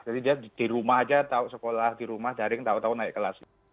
jadi dia di rumah aja tau sekolah di rumah jaring tau tau naik kelas